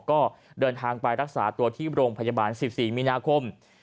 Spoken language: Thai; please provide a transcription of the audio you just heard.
ก็เดินทางไปรักษาตัวที่โรงพยาบาล๑๔มีนาคม